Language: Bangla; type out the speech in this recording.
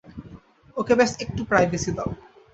ওকে ব্যস একটু প্রাইভেসি দাও।